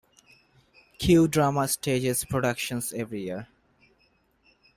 Cue Drama stages productions every year.